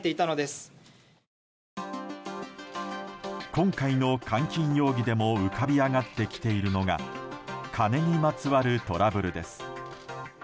今回の監禁容疑でも浮かび上がってきているのが金にまつわるトラブルです。